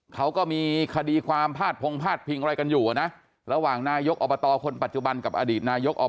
เขาก็มีคดีความพาดพงพาดพิงอะไรกันอยู่นะระหว่างนายกอบตคนปัจจุบันกับอดีตนายกอบ